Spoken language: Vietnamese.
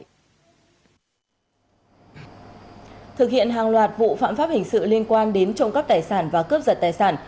thực hiện hàng loạt vụ phạm pháp hình sự liên quan đến trộm cắp tài sản và cướp giật tài sản